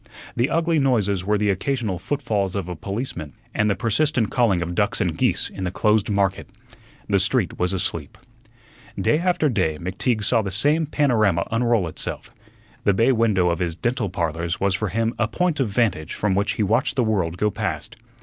The ugly noises were the occasional footfalls of a policeman and the persistent calling of ducks and geese in the closed market. The street was asleep. Day after day, McTeague saw the same panorama unroll itself. The bay window of his "Dental Parlors" was for him a point of vantage from which he watched the world go past.